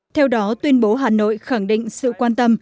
theo đó tuyên bố hà nội khẳng định sự quan tâm